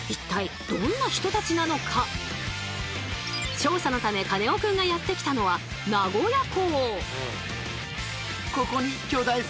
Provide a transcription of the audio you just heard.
調査のためカネオくんがやって来たのは名古屋港。